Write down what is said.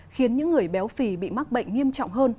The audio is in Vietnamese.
khiến những người béo phì bị mắc bệnh nghiêm trọng hơn